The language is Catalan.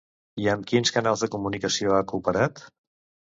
I amb quins canals de comunicació ha cooperat?